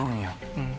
うん。